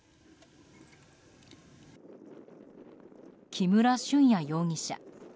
木村俊哉容疑者。